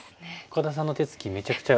岡田さんの手つきめちゃくちゃ。